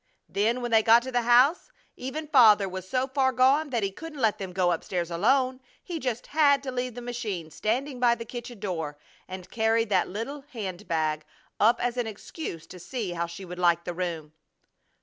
Then, when they got to the house even Father was so far gone that he couldn't let them go up stairs alone. He just had to leave the machine standing by the kitchen door and carry that little hand bag up as an excuse to see how she would like the room.